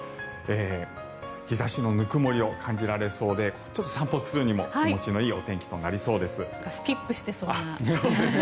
日差しのぬくもりを感じられそうで、散歩するにも気持ちのいいお天気となりそうです。